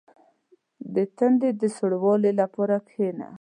• د تندي د سوړوالي لپاره کښېنه.